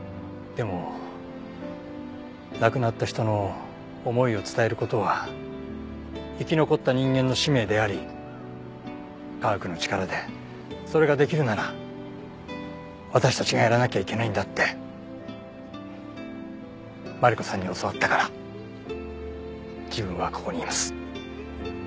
でも亡くなった人の思いを伝える事は生き残った人間の使命であり科学の力でそれができるなら私たちがやらなきゃいけないんだってマリコさんに教わったから自分はここにいます。